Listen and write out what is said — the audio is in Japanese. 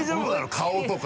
顔とか。